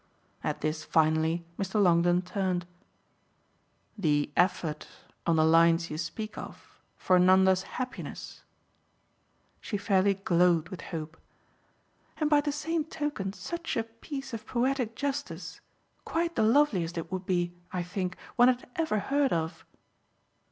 At this finally Mr. Longdon turned. "The effort on the lines you speak of for Nanda's happiness?" She fairly glowed with hope. "And by the same token such a piece of poetic justice! Quite the loveliest it would be, I think, one had ever heard of."